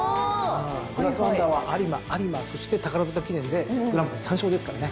グラスワンダーは有馬有馬そして宝塚記念でグランプリ３勝ですからね。